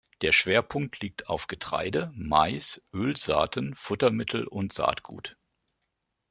Der Schwerpunkt liegt auf Getreide, Mais, Ölsaaten, Futtermittel und Saatgut.